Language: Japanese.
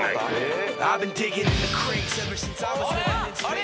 あれ？